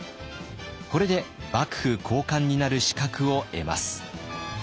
これで幕府高官になる資格を得ます。